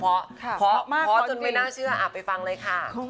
เพราะจนไม่น่าเชื่อไปฟังเลยค่ะ